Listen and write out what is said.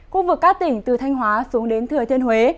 khu vực các tỉnh từ thanh hóa xuống đến thừa thiên huế